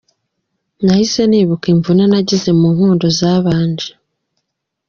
Nahise nibuka imvune nagize mu nkundo zabanje.